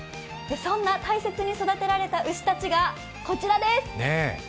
そんな大切に育てられた牛たちが、こちらです。